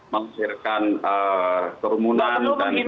menghasilkan kerumunan dan perubahan covid sembilan belas